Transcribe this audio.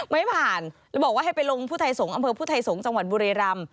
ไม่ผ่านแล้วบอกว่าให้ไปลงอำเภอภูตไทยสงส์จังหวัดบุรีรำ